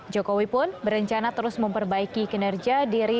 jokowi pun berencana terus memperbaiki kinerja diri